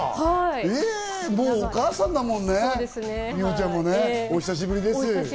もうお母さんだもんね、美帆ちゃんもお久しぶりです。